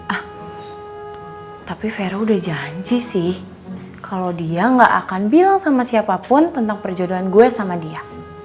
ah tapi vero udah janji sih kalau dia gak akan bilang sama siapapun tentang perjodohan gue sama dia